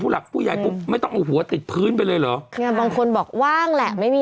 หรือ๑๙หรือ๑๙หรือ๑๙